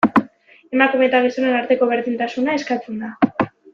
Emakume eta gizonen arteko berdintasuna eskatzen da.